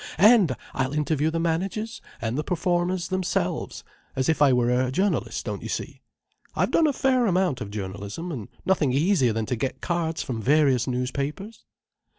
And I'll interview the managers and the performers themselves—as if I were a journalist, don't you see. I've done a fair amount of journalism, and nothing easier than to get cards from various newspapers."